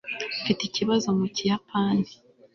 mfite ikibazo mu kiyapani